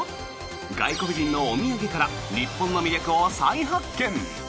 外国人のお土産から日本の魅力を再発見。